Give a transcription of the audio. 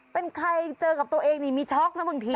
เป็นใครเจอกับตัวเองนี่มีช็อกนะบางที